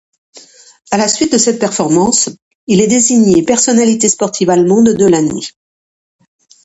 À la suite de cette performance, il est désigné personnalité sportive allemande de l'année.